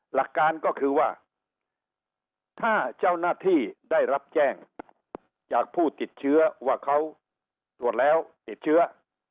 หลักการก็คือว่าถ้าเจ้าหน้าที่ได้รับแจ้งจากผู้ติดเชื้อว่าเขาตรวจแล้วติดเชื้อ